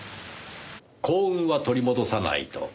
「幸運は取り戻さないと」。